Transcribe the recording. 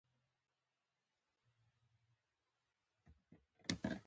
تیار اوسه.